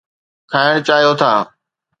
کائڻ چاهيو ٿا؟